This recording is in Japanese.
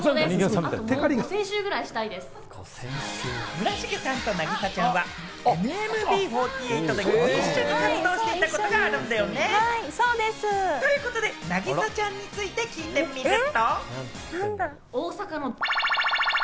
村重さんと凪咲ちゃんはＮＭＢ４８で一緒に活動していたことがあるんだよね？ということで凪咲ちゃんについて、聞いてみると。